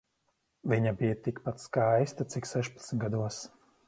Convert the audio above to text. Viņa bija tikpat skaista cik sešpadsmit gados.